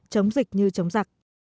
chống dịch như chống giặc